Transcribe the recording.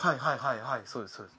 はいはいはいそうです